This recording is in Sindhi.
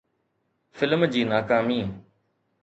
فلم جي ناڪامي